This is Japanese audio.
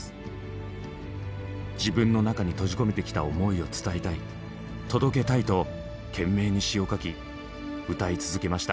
自分の中に閉じ込めてきた思いを伝えたい届けたいと懸命に詩を書き歌い続けました。